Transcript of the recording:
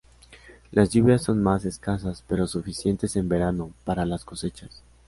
Las lluvias son más escasas, pero suficientes en verano para las cosechas.